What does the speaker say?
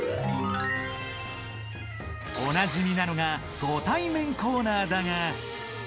おなじみなのがご対面コーナーだが。